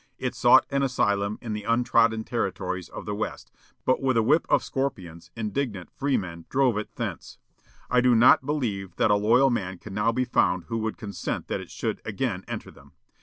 It sought an asylum in the untrodden territories of the West, but with a whip of scorpions indignant freemen drove it thence. I do not believe that a loyal man can now be found who would consent that it should again enter them.